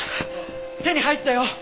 手に入ったよ！